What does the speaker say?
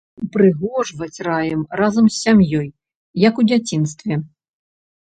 Упрыгожваць раім разам з сям'ёй, як у дзяцінстве.